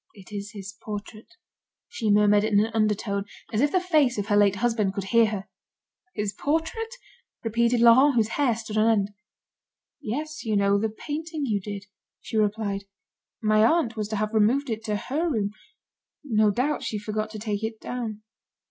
"It is his portrait," she murmured in an undertone, as if the face of her late husband could hear her. "His portrait?" repeated Laurent, whose hair stood on end. "Yes, you know, the painting you did," she replied. "My aunt was to have removed it to her room. No doubt she forgot to take it down."